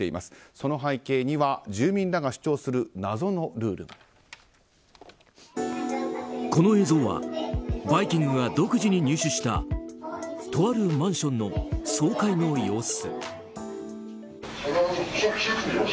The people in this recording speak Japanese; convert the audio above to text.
その背景には住民らが主張するこの映像は「バイキング」が独自に入手したとあるマンションの総会の様子。